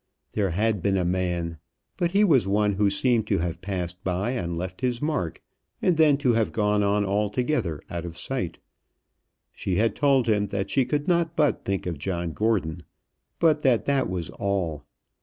There had been a man, but he was one who seemed to have passed by and left his mark, and then to have gone on altogether out of sight. She had told him that she could not but think of John Gordon, but that that was all.